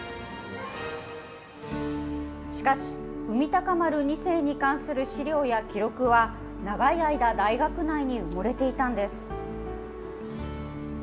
しかし、海鷹丸２世に関する資料や記録は、長い間、大学内に埋もれていたんです。